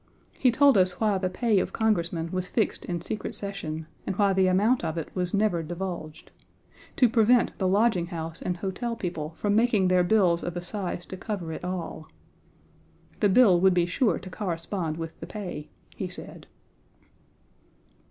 He told us why the pay of Congressmen was fixed in secret session, and why the amount of it was never divulged to prevent the lodginghouse and hotel people from making their bills of a size to cover it all. "The bill would be sure to correspond with the pay," he said.